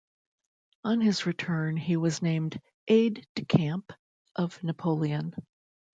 On his return he was named aide-de-camp of Napoleon.